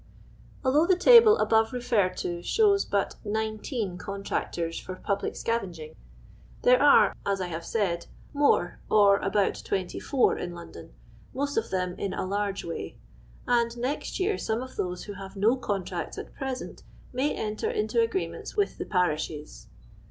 Although the table above referred to shows but 19 contractors for public scavenging, there are, as I have said, more, or about 24, in Lon don, most of them in a •* large way," and next year some of those who have no contracts at present may enter into agreements with the parishes.